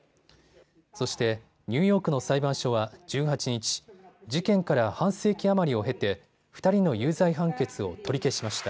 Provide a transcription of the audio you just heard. そして、ニューヨークの裁判所は１８日、事件から半世紀余りを経て２人の有罪判決を取り消しました。